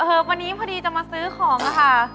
เฮิบวันนี้พอดีจะมาซื้อของล่ะค่ะ